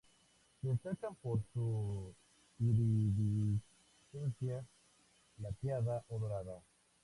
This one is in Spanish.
Se destacan por su iridiscencia plateada y dorada.